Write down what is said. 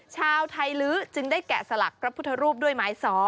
ชาวไทยลื้อจึงได้แกะสลักพระพุทธรูปด้วยไม้ซ้อ